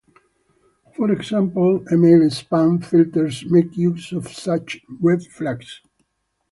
For example, email spam filters make use of such "red flags".